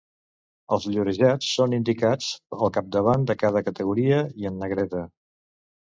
Els llorejats són indicats al capdavant de cada categoria i en negreta.